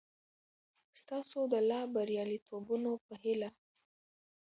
ستاسو د لا بریالیتوبونو په هیله!